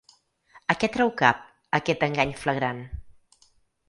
A què treu cap, aquest engany flagrant?